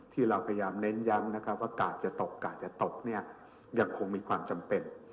ที่เราพยายามเน้นย้ำว่ากาศจะตกกาศจะตกยังคงมีความจำเป็น